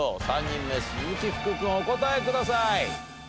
３人目鈴木福君お答えください。